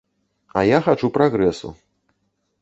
А я хачу прагрэсу.